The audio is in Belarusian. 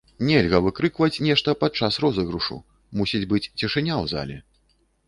Нельга выкрыкваць нешта падчас розыгрышу, мусіць быць цішыня ў зале.